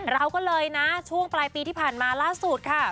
เราก็เลยนะช่วงปลายปีที่ผ่านมาล่าสุดค่ะ